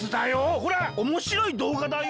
ほらおもしろいどうがだよ。